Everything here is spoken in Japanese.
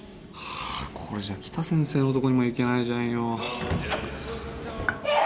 これじゃ北先生のとこにも行けないじゃん・ええ